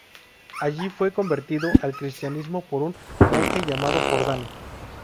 Allí, fue convertido al cristianismo por un monje llamado Jordano.